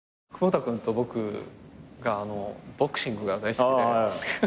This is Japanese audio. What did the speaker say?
窪田君と僕がボクシングが大好きで。